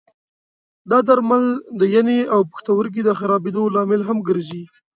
دا درمل د ینې او پښتورګي د خرابېدو لامل هم ګرځي.